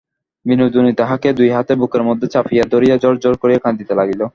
বিনোদিনী তাহাকে দুই হাতে বুকের মধ্যে চাপিয়া ধরিয়া ঝরঝর করিয়া কাঁদিতে লাগিল।